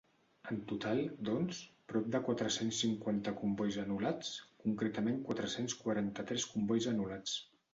En total, doncs, prop de quatre-cents cinquanta combois anul·lats, concretament quatre-cents quaranta-tres combois anul·lats.